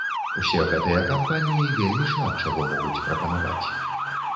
Усе гэтыя кампаніі вельмі шмат чаго могуць прапанаваць.